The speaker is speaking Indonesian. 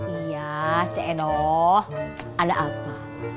iya cik edoh ada apa